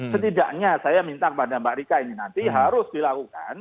setidaknya saya minta kepada mbak rika ini nanti harus dilakukan